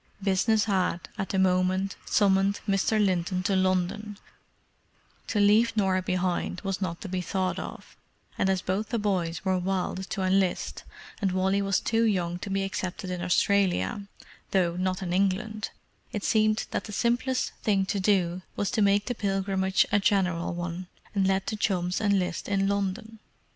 Business had, at the moment, summoned Mr. Linton to London; to leave Norah behind was not to be thought of, and as both the boys were wild to enlist, and Wally was too young to be accepted in Australia—though not in England—it seemed that the simplest thing to do was to make the pilgrimage a general one, and let the chums enlist in London.